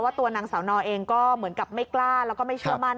ตัวนางสาวนอเองก็เหมือนกับไม่กล้าแล้วก็ไม่เชื่อมั่น